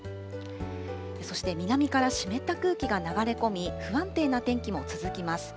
そして南から湿った空気が流れ込み、不安定な天気も続きます。